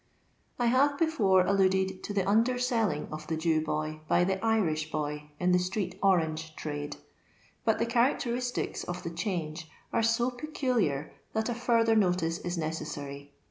I haTe befbire alluded to the underselling of the Jew boy by the Irish boy in the street orange trade ; but the characteristics of the change are so peculiar, that a further notice is necessary.